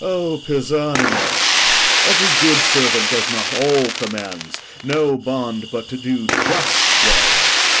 O Pisanio! Every good servant does not all commands; No bond but to do just ones.